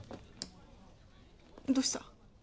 どうした？